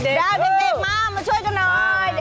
ได้เด็กมามาช่วยกันหน่อย